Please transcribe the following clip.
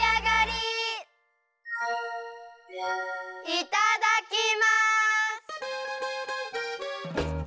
いただきます！